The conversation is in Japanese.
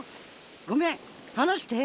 ごめんはなして。